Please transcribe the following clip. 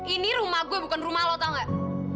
ini rumah gue bukan rumah lo tau gak